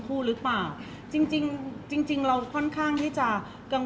เพราะว่าสิ่งเหล่านี้มันเป็นสิ่งที่ไม่มีพยาน